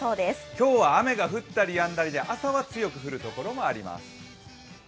今日は雨が降ったりやんだりで、朝は強く降るところがあります。